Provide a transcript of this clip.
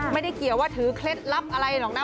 ไม่ได้เกี่ยวว่าถือเคล็ดลับอะไรหรอกนะ